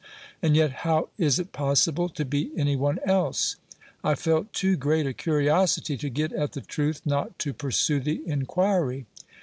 And yet how is it possible to be any one else ? I felt too great a curiosity to get at the truth not to pursue the inquiry.